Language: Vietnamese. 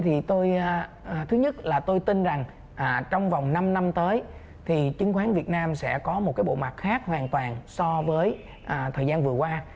thì thứ nhất là tôi tin rằng trong vòng năm năm tới thì chứng khoán việt nam sẽ có một cái bộ mặt khác hoàn toàn so với thời gian vừa qua